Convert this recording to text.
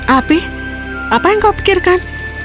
api apa yang kau pikirkan